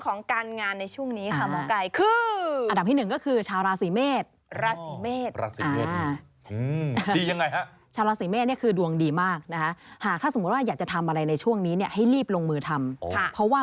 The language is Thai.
ของการงานบางทีก็ควรจะต้องระวังด้วยเหมือนกัน